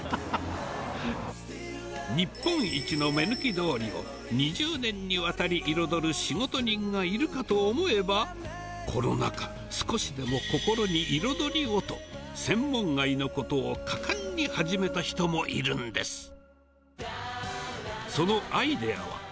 日本一の目抜き通りを、２０年にわたり彩る仕事人がいるかと思えば、コロナ禍、少しでも心に彩りをと、専門外のことを果敢に始めた人もいるんです。